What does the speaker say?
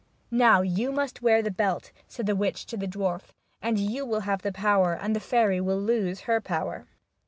"Now you must wear the belt," said the witch to the dwarf, " and you will have the power and the fairy will lose her power."